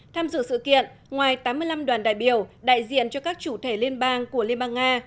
tham dự sự kiện ngoài tám mươi năm đoàn đại biểu đại diện cho các chủ thể liên bang của liên bang nga